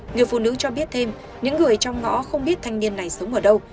người phụ nữ cho biết thêm những người trong ngõ không biết thanh niên này sống ở đâu